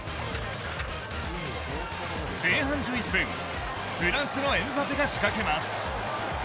前半１１分フランスのエムバペが仕掛けます。